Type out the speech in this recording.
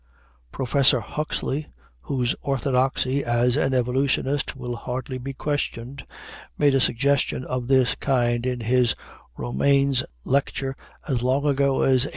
Professor Huxley, whose orthodoxy as an evolutionist will hardly be questioned, made a suggestion of this kind in his Romanes lecture as long ago as 1893.